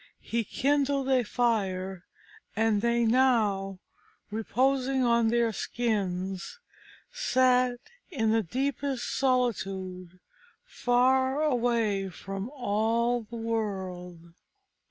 He kindled a fire, and they now, reposing on their skins, sat in the deepest solitude far away from all the world.